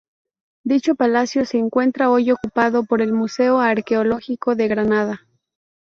Dicho palacio se encuentra hoy ocupado por el Museo Arqueológico de Granada.